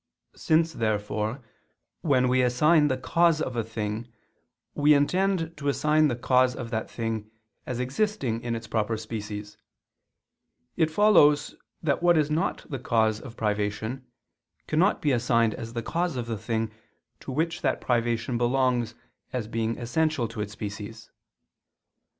Since, therefore, when we assign the cause of a thing, we intend to assign the cause of that thing as existing in its proper species, it follows that what is not the cause of privation, cannot be assigned as the cause of the thing to which that privation belongs as being essential to its species.